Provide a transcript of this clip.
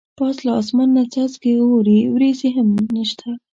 پاس له اسمان نه څاڅکي نه اوري ورېځې هم نشته.